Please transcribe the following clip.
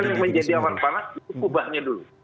yang menjadi awan panas itu kubahnya dulu